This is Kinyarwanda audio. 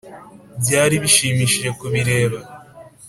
byari bishimishije ku bireba.